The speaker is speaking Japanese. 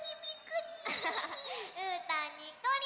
うーたんにっこり！